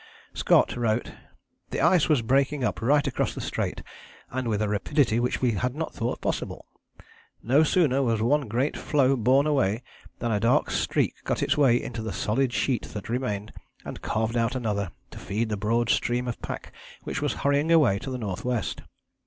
Scott wrote: "The ice was breaking up right across the Strait, and with a rapidity which we had not thought possible. No sooner was one great floe borne away than a dark streak cut its way into the solid sheet that remained, and carved out another, to feed the broad stream of pack which was hurrying away to the north west.